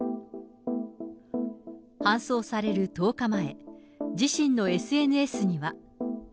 搬送される１０日前、自身のＳＮＳには。